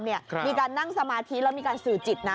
มีการนั่งสมาธิแล้วมีการสื่อจิตนะ